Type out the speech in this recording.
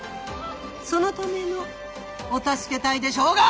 そのためのお助け隊でしょうが！